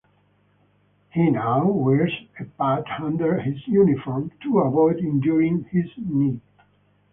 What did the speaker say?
He now wears a pad under his uniform to avoid injuring his knee.